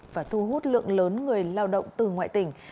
và thu hút lượng lớn người lao động từ ngoại tỉnh